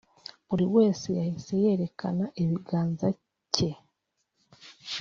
Buri wese yahise yerekana ibiganza cye